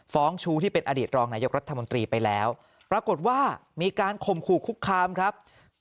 ชู้ที่เป็นอดีตรองนายกรัฐมนตรีไปแล้วปรากฏว่ามีการข่มขู่คุกคามครับ